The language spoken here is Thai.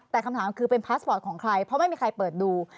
แต่คำถามคือเป็นพาสปอร์ตของใครเพราะไม่มีใครเปิดดู